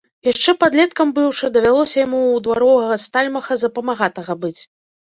Яшчэ падлеткам быўшы, давялося яму ў дваровага стальмаха за памагатага быць.